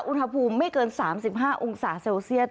อุณหภูมิไม่เกิน๓๕องศาเซลเซียส